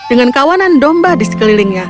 dengan kawanan domba di sekelilingnya